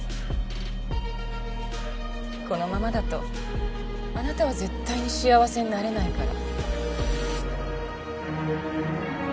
このままだとあなたは絶対に幸せになれないから。